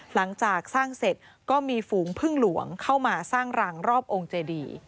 หลังจากสร้างเสร็จก็มีฝูงพึ่งหลวงเข้ามาสร้างรังรอบองค์เจดี